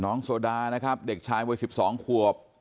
โซดานะครับเด็กชายวัย๑๒ขวบ